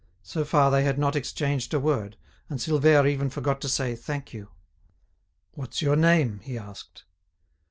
So far they had not exchanged a word, and Silvère even forgot to say, "Thank you." "What's your name?" he asked.